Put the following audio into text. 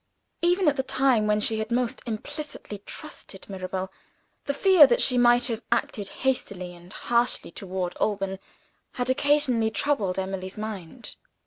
Even at the time when she had most implicitly trusted Mirabel, the fear that she might have acted hastily and harshly toward Alban had occasionally troubled Emily's mind.